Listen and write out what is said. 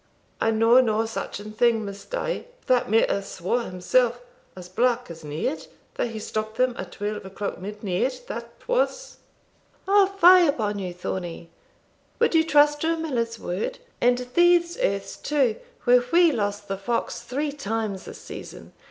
"I know no such an thing then, Miss Die, for the miller swore himself as black as night, that he stopt them at twelve o'clock midnight that was." "O fie upon you, Thornie! would you trust to a miller's word? and these earths, too, where we lost the fox three times this season!